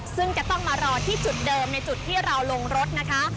ซึ่งจะต้องมารอที่จุดเดิมในจุดที่เราลงรถนะคะ